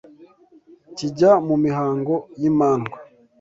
kijya mu mihango y’imandwa